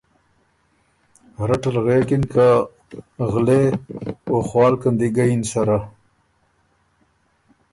رټ ال غوېکِن که ”غلے او خوالکن دی ګۀ یِن سره“